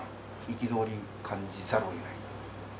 憤りを感じざるをえない。